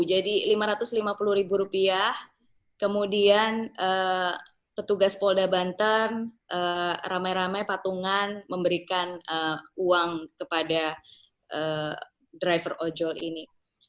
jadi lima ratus lima puluh ribu rupiah kemudian petugas polda banten rame rame patungan memberikan uang kepada driver ojol ini